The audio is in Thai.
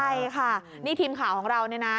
ใช่ค่ะนี่ทีมข่าวของเราเนี่ยนะ